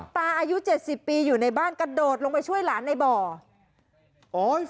อายุ๗๐ปีอยู่ในบ้านกระโดดลงไปช่วยหลานในบ่อ